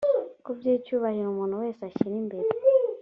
ku by icyubahiro umuntu wese ashyire imbere